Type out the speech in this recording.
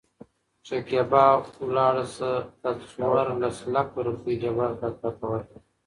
شکېبا : ولاړ شه دا څورلس لکه روپۍ جبار کاکا ته ورکړه.